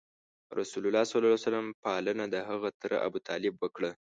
رسول الله ﷺ پالنه دهغه تره ابو طالب وکړه.